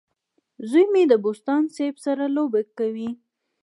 زوی مې د بوسټان سیب سره لوبه کوي.